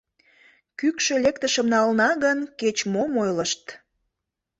— Кӱкшӧ лектышым налына гын, кеч-мом ойлышт.